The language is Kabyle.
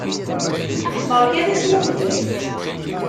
Berkat asmuhbel.